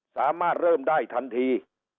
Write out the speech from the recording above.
สามารถเริ่มได้ทันที